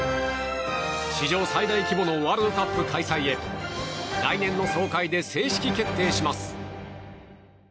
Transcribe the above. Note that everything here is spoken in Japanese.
史上最大規模のワールドカップ開催へ来年の総会で正式決定します。